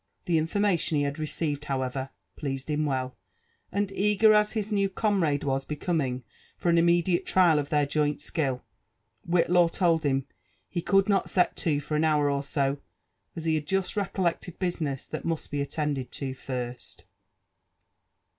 The in ^ formation he had received, however, pleased him well ; and eager as his new comrade was becoming for an im<nec{iale trial of their joint skill, Whillaw told him he could not set to for an hour or so, as he had just recollected business that must be attended to first.